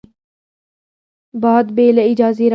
باد بې له اجازې راځي